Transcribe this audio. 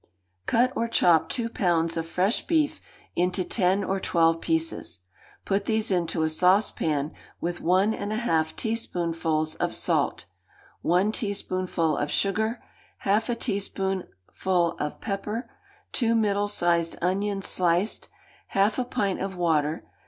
Cut or chop two pounds of fresh beef into ten or twelve pieces; put these into a saucepan, with one and a half teaspoonfuls of salt, one teaspoonful of sugar, half a teaspoonful of pepper, two middle sized onions sliced, half a pint of water.